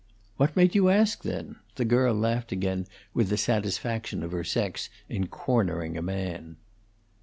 "What made you ask, then?" The girl laughed again with the satisfaction of her sex in cornering a man.